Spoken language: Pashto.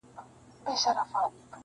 خدای مکړه چي زه ور سره کړې وعده ماته کړم,